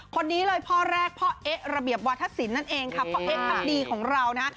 คนนี้เลยพ่อแรกพ่อเอะระเบียบวัฒนศีลนั่นเองครับ